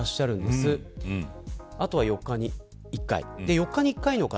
４日に１回の方。